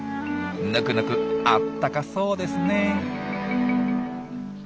ぬくぬくあったかそうですね。